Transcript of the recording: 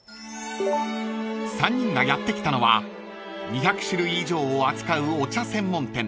［３人がやって来たのは２００種類以上を扱うお茶専門店］